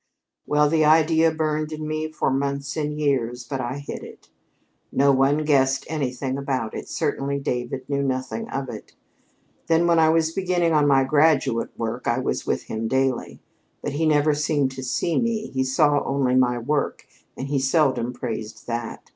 "Well, the idea burned in me for months and years. But I hid it. No one guessed anything about it. Certainly David knew nothing of it. Then, when I was beginning on my graduate work, I was with him daily. But he never seemed to see me he saw only my work, and he seldom praised that.